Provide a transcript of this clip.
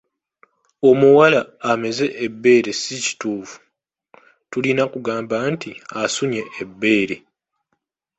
Omuwala ameze ebbeere si kituufu, tulina kugamba nti asunye ebbeere.